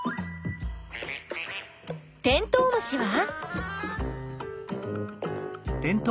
テントウムシは？